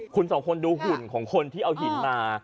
คุณสองคนดูหุ่นของคนที่เอาหินมา